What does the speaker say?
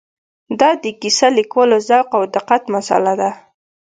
دا د کیسه لیکوالو ذوق او دقت مساله ده.